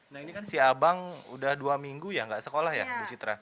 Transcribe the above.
nah ini kan si abang udah dua minggu ya nggak sekolah ya bu citra